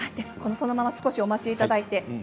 そのまま少しお待ちいただいて。